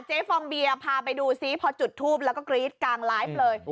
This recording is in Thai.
ฟองเบียพาไปดูซิพอจุดทูปแล้วก็กรี๊ดกลางไลฟ์เลย